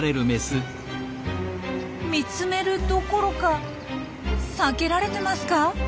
見つめるどころか避けられてますか？